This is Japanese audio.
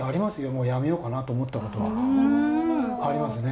もうやめようかなと思ったことはありますね。